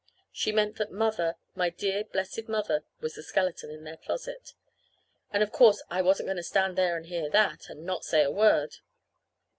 She meant that Mother, my dear blessed mother, was the skeleton in their closet. And of course I wasn't going to stand there and hear that, and not say a word.